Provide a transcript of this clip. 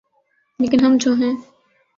‘ لیکن ہم جو ہیں۔